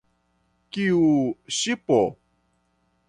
Kiu ŝipo?